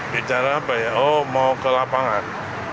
bicara apa ya oh mau ke lapangan